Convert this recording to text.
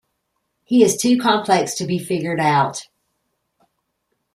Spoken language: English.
He is too complex to be figured out.